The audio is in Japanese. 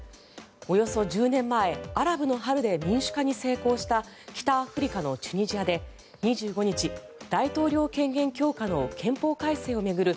およそ１０年前、アラブの春で民主化に成功した北アフリカのチュニジアで２５日大統領権限強化の憲法改正を巡る